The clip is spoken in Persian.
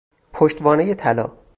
پشتوانه طلا